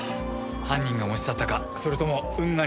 犯人が持ち去ったかそれとも運河に捨てたか。